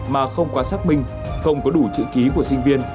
mà không quá xác minh không có đủ chữ ký của sinh viên